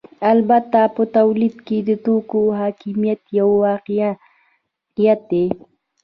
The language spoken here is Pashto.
البته په تولید کې د توکو حاکمیت یو واقعیت دی